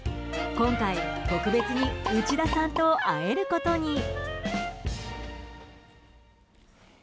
今回、特別に内田さんと会えることに。